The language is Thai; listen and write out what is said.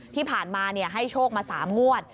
ที่ผ่านมาให้โชคมา๓งวด